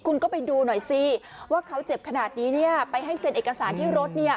คุณก็ไปดูหน่อยสิว่าเขาเจ็บขนาดนี้เนี่ยไปให้เซ็นเอกสารที่รถเนี่ย